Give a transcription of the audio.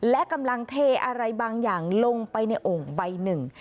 และกำลังเทอะไรบางอย่างลงไปในโอ่งใบหนึ่ง